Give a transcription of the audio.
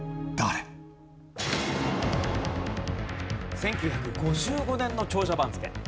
１９５５年の長者番付。